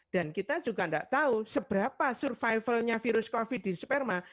dan kita juga tidak tahu seberapa survivalnya virus covid di sperma